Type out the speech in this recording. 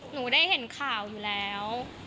หนูได้เห็นข่าวอยู่แล้ว